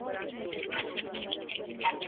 ځینې پروګرامونه ډېر لیدونکي لري